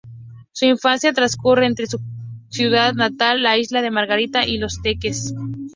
Su infancia transcurre entre su ciudad natal, la Isla de Margarita y Los Teques.